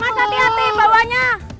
bang hati hati bawahnya